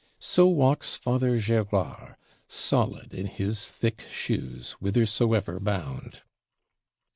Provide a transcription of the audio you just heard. So walks Father Gérard, solid in his thick shoes, whithersoever bound.